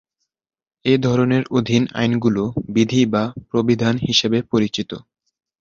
এ ধরনের অধীন আইনগুলো বিধি বা প্রবিধান হিসেবে পরিচিত।